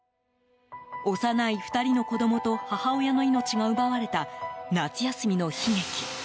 幼い２人の子供と母親の命が奪われた夏休みの悲劇。